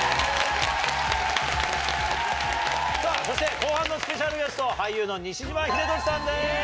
そして後半のスペシャルゲストは俳優の西島秀俊さんです。